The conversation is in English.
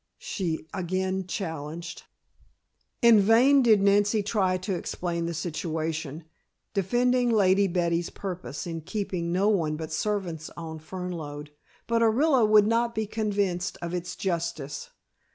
she again challenged. In vain did Nancy try to explain the situation, defending Lady Betty's purpose in keeping no one but servants on Fernlode, but Orilla would not be convinced of its justice.